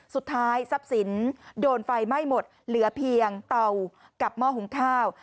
สุดท้ายทรัพย์สินโดนไฟไหม้หมดเหลือเพียงเตากับหม้อหุงข้าว